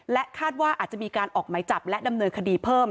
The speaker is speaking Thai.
คาดว่าอาจจะมีการออกไหมจับและดำเนินคดีเพิ่ม